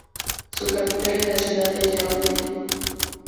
Su capital es la ciudad de Yauli.